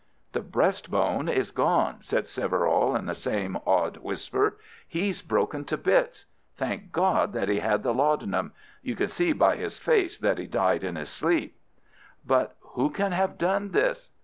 "The breast bone is gone," said Severall in the same awed whisper. "He's broken to bits. Thank God that he had the laudanum. You can see by his face that he died in his sleep." "But who can have done this?"